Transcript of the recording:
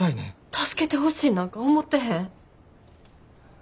助けてほしいなんか思ってへん。